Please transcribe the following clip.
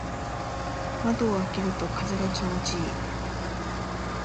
窓を開けると風が気持ちいい。